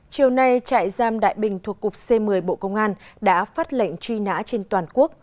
chiều nay trại giam đại bình thuộc cục c một mươi bộ công an đã phát lệnh truy nã trên toàn quốc